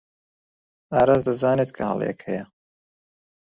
ئاراس دەزانێت کە هەڵەیەک هەیە.